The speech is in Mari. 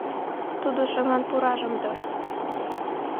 Тудо шоҥан пуражым дыр